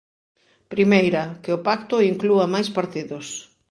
Primeira, que o pacto inclúa máis partidos.